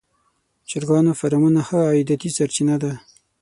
د چرګانو فارمونه ښه عایداتي سرچینه ده.